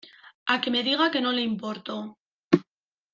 a que me diga que no le importo.